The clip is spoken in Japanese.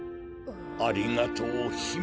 ありがとうひめ。